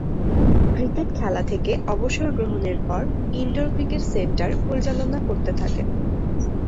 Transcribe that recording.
Cricket খেলা থেকে অবসর গ্রহণের পর ইনডোর ক্রিকেট সেন্টার পরিচালনা করতে থাকেন।